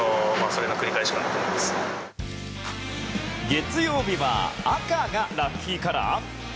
月曜日は赤がラッキーカラー？